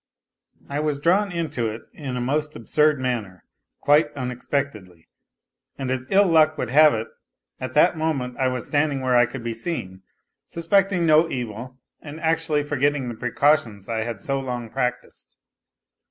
I was drawn into it in a most absurd manner, quite un expectedly. And as ill luck would have it at that moment I was standing where I could be seen, suspecting no evil and actually forgetting the precautions I had so long practised.